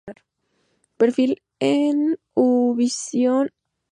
Perfil en Univision Puerto Rico